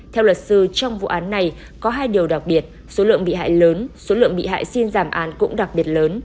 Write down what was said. theo luật sư trong vụ án này có hai điều đặc biệt số lượng bị hại lớn số lượng bị hại xin giảm án cũng đặc biệt lớn